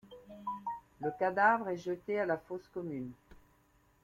Le cadavre est jeté à la fosse commune.